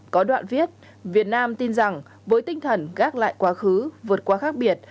có đoạn viết việt nam tin rằng với tinh thần gác lại quá khứ vượt qua khác biệt